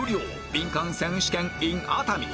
ビンカン選手権 ｉｎ 熱海